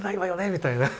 みたいな。